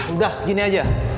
udah begini aja